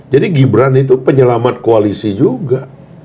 jadi gibran itu penyelamat koalisi juga